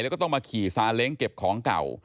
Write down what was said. แล้วก็ต้องมาขี่ซาเล้งเก็บของเก่า